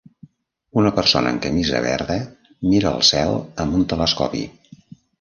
Una persona amb camisa verda mira al cel amb un telescopi.